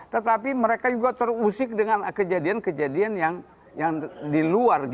tetapi mereka juga terusik dengan kejadian kejadian yang di luar